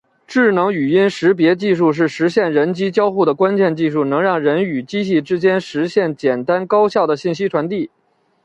智能语音识别技术是实现人机交互的关键技术，能让人与机器之间实现简单高效的信息传递。